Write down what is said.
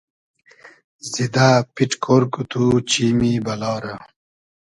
زیدۂ پیݖ کۉر کو تو چیمی بئلا رۂ